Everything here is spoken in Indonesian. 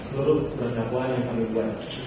seluruh perjabuan yang kami biarkan